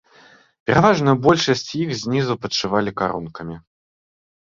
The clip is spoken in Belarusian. Пераважную большасць іх знізу падшывалі карункамі.